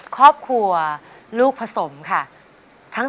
ครอบครัวลูกผสมค่ะ